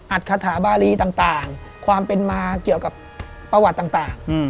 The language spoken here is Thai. คาถาบารีต่างความเป็นมาเกี่ยวกับประวัติต่าง